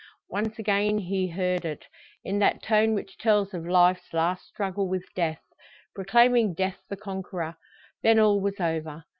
Once again he heard it, in that tone which tells of life's last struggle with death proclaiming death the conqueror. Then all was over.